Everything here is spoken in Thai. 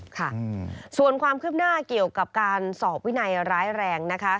ค่ะส่วนความคืบหน้าเกี่ยวกับการสอบวินัยร้ายแรงนะคะ